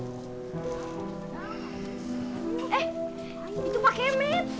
eh itu pak kemet